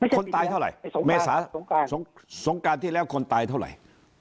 คนตายเท่าไหร่เมษาสงการที่แล้วคนตายเท่าไหร่